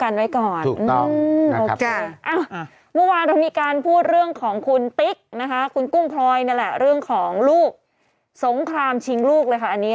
เพราะว่าคนมันเดินไปเบียดมากันหมด